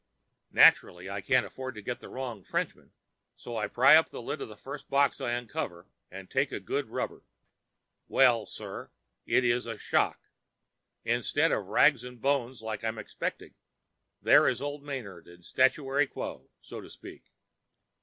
Naturally I can't afford to get the wrong Frenchman, so I pry up the lid of the first box I uncover and take a good rubber. Well, sir, it is a shock! Instead of rags and bones like I'm expecting, there is old Manard in statuary quo, so to speak.